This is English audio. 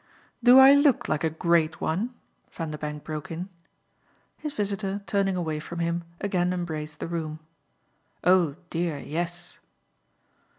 "Do I look like a 'great' one?" Vanderbank broke in. His visitor, turning away from him, again embraced the room. "Oh dear, yes!"